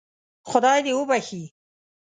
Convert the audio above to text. خدای دې وبخښي.